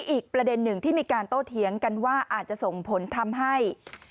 อีกประเด็นหนึ่งที่มีการโต้เถียงกันว่าอาจจะส่งผลทำให้